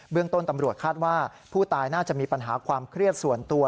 เรื่องต้นตำรวจคาดว่าผู้ตายน่าจะมีปัญหาความเครียดส่วนตัว